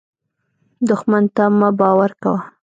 دښمن ته مه باور کوه